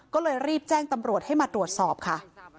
ก็เลยรีบแจ้งตำรวจให้มาตรวจสอบค่ะ